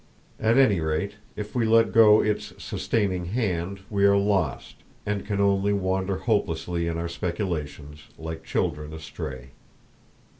At any rate, if we let go its sustaining hand we are lost, and can only wander hopelessly in our speculations, like children astray.